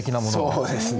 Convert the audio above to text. そうですね。